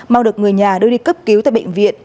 mau được người nhà đưa đi cấp cứu tại bệnh viện